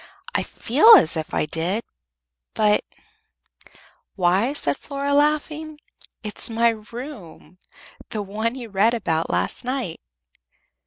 "I feel as if I did, but " "Why," said Flora, laughing, "it's my room, the one you read about last night."